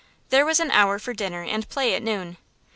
There was an hour for dinner and play at noon.